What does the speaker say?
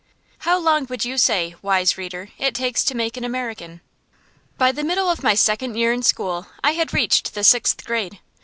How long would you say, wise reader, it takes to make an American? By the middle of my second year in school I had reached the sixth grade.